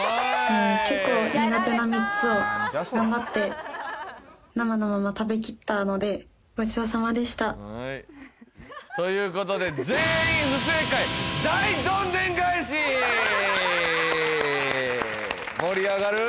結構苦手な３つを頑張って生のまま食べきったのでごちそうさまでしたということで大どんでん返し盛り上がる！